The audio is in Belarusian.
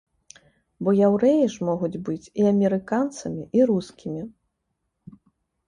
Бо яўрэі ж могуць быць і амерыканцамі, і рускімі!